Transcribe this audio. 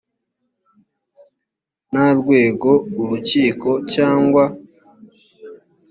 nta rwego urukiko cyangwa